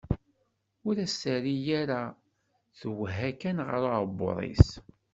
Ur as-terri ara, twehha kan ɣer uɛebbuḍ-is.